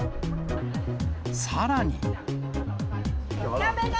さらに。